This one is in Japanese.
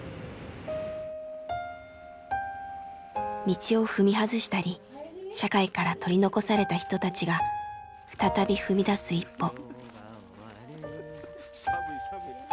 道を踏み外したり社会から取り残された人たちが再び踏み出す一歩。